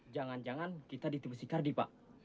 jangan jangan kita ditemui si kardi pak